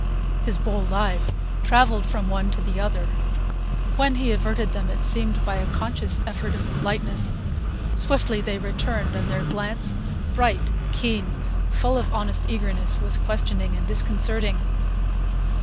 His bold eyes travelled from one to the other. When he averted them it seemed by a conscious effort of politeness; swiftly they returned, and their glance, bright, keen, full of honest eagerness, was questioning and disconcerting.